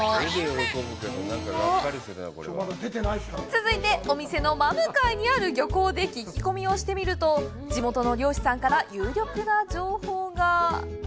続いて、お店の真向かいにある漁港で聞き込みをしてみると、地元の漁師さんから有力な情報が！